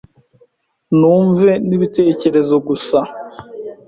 numve ni ibitengeze guse